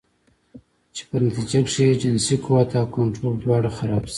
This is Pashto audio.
چې پۀ نتيجه کښې ئې جنسي قوت او کنټرول دواړه خراب شي